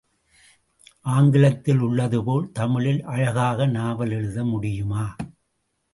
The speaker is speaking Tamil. ஆங்கிலத்தில் உள்ளதுபோல் தமிழில் அழகாக நாவல் எழுத முடியுமா?